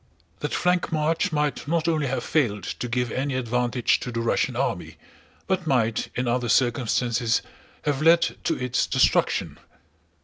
That flank march might not only have failed to give any advantage to the Russian army, but might in other circumstances have led to its destruction.